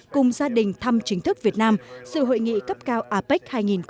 cùng gia đình thăm chính thức việt nam sự hội nghị cấp cao apec hai nghìn một mươi bảy